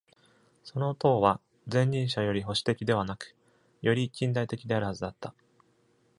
その党は前任者より保守的ではなく、より近代的であるはずだった。